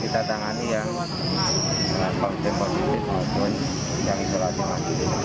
kita tangani yang terlampau positif maupun yang isolasi masing masing